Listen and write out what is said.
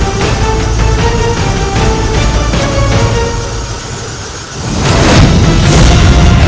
saya akan melaksanakan pelarian yang bakal mengim zoe aurait